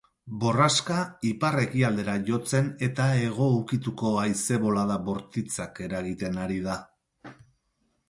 Borraska ipar-ekialdera jotzen eta hego ukituko haize-bolada bortitzak eragiten ari da.